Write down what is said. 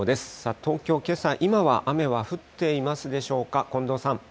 東京、けさ、今は雨は降っていますでしょうか。